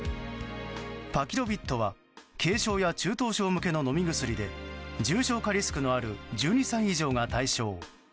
パキロビッドは軽症や中等症向けの飲み薬で重症化リスクのある１２歳以上が対象。